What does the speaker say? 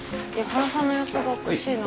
ハラさんの様子がおかしいな。